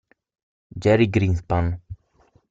Jerry Greenspan